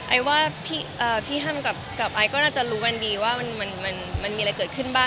ไอ้ว่าพี่ฮัมกับไอซ์ก็น่าจะรู้กันดีว่ามันมีอะไรเกิดขึ้นบ้าง